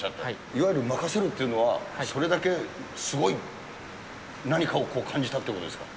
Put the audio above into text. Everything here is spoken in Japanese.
いわゆる任せるというのは、それだけすごい何かを感じたってことですか。